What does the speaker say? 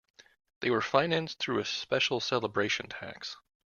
They were financed through a special celebration tax.